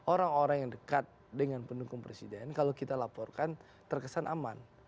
orang orang yang dekat dengan pendukung presiden kalau kita laporkan terkesan aman